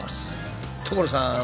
所さん！